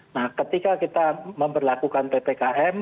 nah ketika kita memperlakukan ppkm